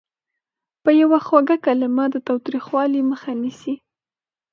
یوه خوږه کلمه د تاوتریخوالي مخه نیسي.